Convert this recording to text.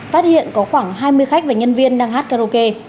phát hiện có khoảng hai mươi khách và nhân viên đang hát karaoke